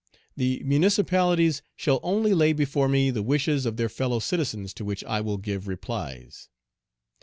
The municipalities shall only lay before me the wishes of their fellow citizens, to which I will give replies.